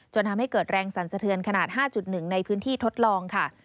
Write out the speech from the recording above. ทำให้เกิดแรงสั่นสะเทือนขนาด๕๑ในพื้นที่ทดลองค่ะ